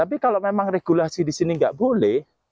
tapi kalau memang regulasi di sini nggak boleh